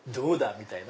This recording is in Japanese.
みたいな。